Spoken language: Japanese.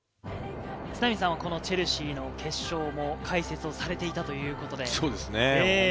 都並さんはチェルシーの決勝も解説をされていたということで。